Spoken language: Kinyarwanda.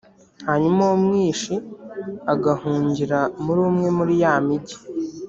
hanyuma uwo mwishi agahungira muri umwe muri ya migi,